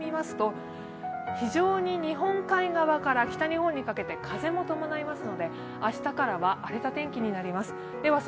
非常に日本海側から北日本にかけて風も伴いますので明日からは荒れた天気になります。ね。